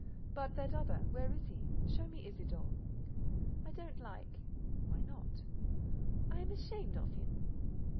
"But that other—where is he? Show me Isidore." "I don't like." "Why not?" "I am ashamed of him."